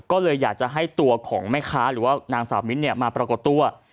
ก็เลยอยากจะให้ตัวของแม่ค้าหรือว่านางสาวมิ้นมาปรากฏตัว